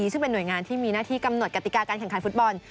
ซึ่งเป็นหน่วยงานที่มีหน้าที่กำหนดกติกาการแข่งขันฟุตบอล